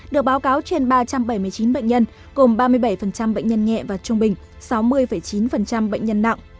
được báo cáo trên ba trăm bảy mươi chín bệnh nhân gồm ba mươi bảy bệnh nhân nhẹ và trung bình sáu mươi chín bệnh nhân nặng